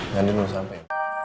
nanti nunggu sampai